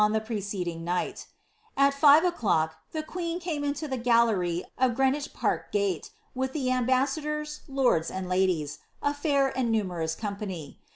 120 the preceding^ night At five o^clock, the queen came into the gallery of Greenwich park gate, with the ambassadors, lords, and ladies — a fair and numeroiia company.